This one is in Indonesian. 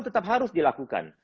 tetap harus dilakukan